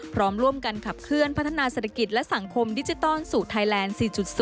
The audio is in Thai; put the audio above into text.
พร้อมร่วมกันขับเคลื่อนพัฒนาเศรษฐกิจและสังคมดิจิตอลสู่ไทยแลนด์๔๐